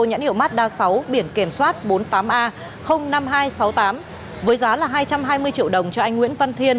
nhãn hiệu mazda sáu biển kiểm soát bốn mươi tám a năm nghìn hai trăm sáu mươi tám với giá hai trăm hai mươi triệu đồng cho anh nguyễn văn thiên